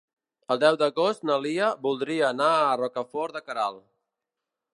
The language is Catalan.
El deu d'agost na Lia voldria anar a Rocafort de Queralt.